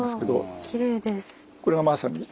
ああきれいです。